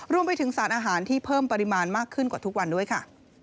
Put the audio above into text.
รวมไปถึงสารอาหารที่เพิ่มปริมาณมากขึ้นกว่าทุกวันด้วยค่ะ